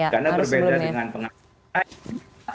karena berbeda dengan pengadilan